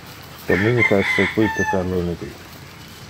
Dominica es sequite per lunedi.